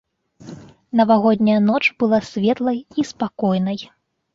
Навагодняя ноч была светлай і спакойнай.